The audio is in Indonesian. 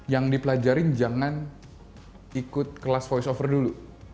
yang dipelajarin jangan ikut kelas voice over dulu